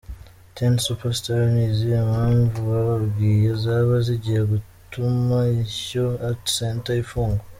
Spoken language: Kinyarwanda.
Ten super star: Ni izihe mpamvu bababwiye zaba zigiye gutuma ishyo art center ifungwa?.